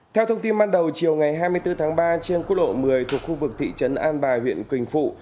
theo thông tin ban đầu chiều ngày hai mươi bốn tháng ba trên quốc lộ một mươi thuộc khu vực thị trấn an bài huyện quỳnh phụ